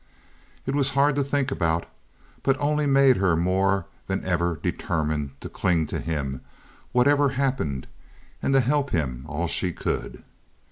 It was hard to think about, but only made her more than ever determined to cling to him, whatever happened, and to help him all she could.